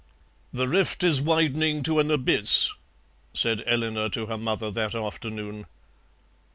"The rift is widening to an abyss," said Eleanor to her mother that afternoon.